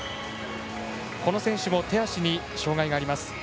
この選手も手足に障がいがあります。